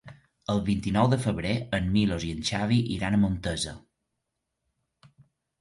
El vint-i-nou de febrer en Milos i en Xavi iran a Montesa.